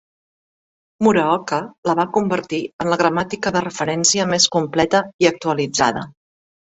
Muraoka la va convertir en la gramàtica de referència més completa i actualitzada.